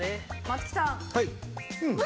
松木さん。